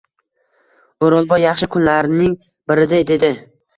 O’rolboy yaxshi kunlarning birida dedi.